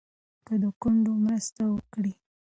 د کونډو مرسته وکړئ.